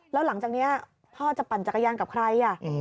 แล้วหลังจากนี้พ่อจะปั่นจักรยานกับใคร